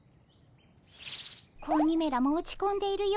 子鬼めらも落ち込んでいる様子。